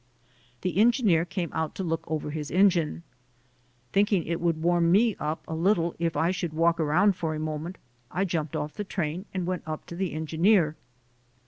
The engineer came out to look over his engine. Thinking it would warm me up a little if I should walk around for a moment, I jumped off the train and went up to the engineer.